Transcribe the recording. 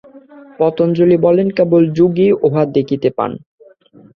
পতঞ্জলি বলেন, কেবল যোগীই উহা দেখিতে পান।